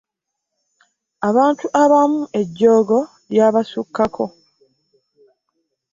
Abantu abamu ejjoogo lyabasukkako.